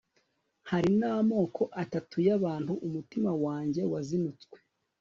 hari n'amoko atatu y'abantu, umutima wanjye wazinutswe